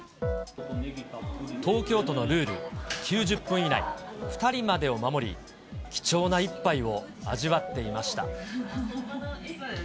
東京都のルール、９０分以内、２人までを守り、貴重な一杯を味わっていました。